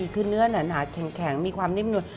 คือเนื้อหนาแข็งมีความนิ่มนวล